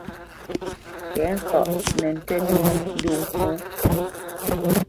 Tɛ̌ŋkaʼ nə ntə́ nǐ ndo ŋkǔ.